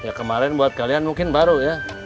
ya kemarin buat kalian mungkin baru ya